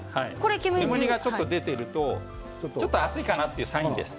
煙が出ているとちょっと熱いかなというサインです。